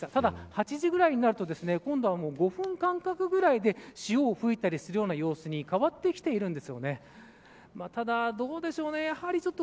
ただ、８時ぐらいになると今度は５分間隔くらいで潮を吹いたりする様子に変わってきているんです。